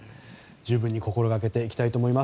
十分に心掛けていきたいと思います。